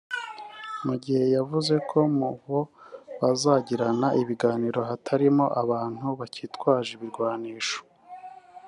mugihe yavuze ko mu bo bazagirana ibiganiro hatarimo abantu bakitwaje ibirwanisho